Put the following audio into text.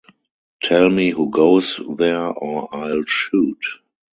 "Tell me who goes there or I'll shoot".